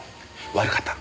悪かった。